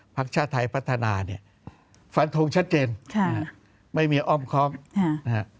ชาติไทยพัฒนาเนี่ยฟันทงชัดเจนค่ะไม่มีอ้อมคล้อมนะฮะ